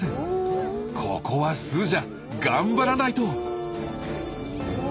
ここはスージャ頑張らないと！